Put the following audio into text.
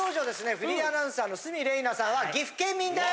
フリーアナウンサーの鷲見玲奈さんは岐阜県民です。